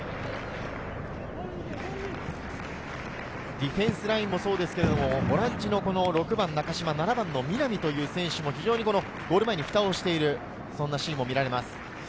ディフェンスラインもそうですがボランチの中島、南という選手も非常にゴール前にふたをしているシーンも見られます。